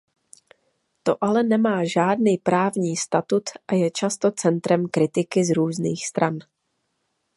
To ale nemá žádný právní statut a je často centrem kritiky z různých stran.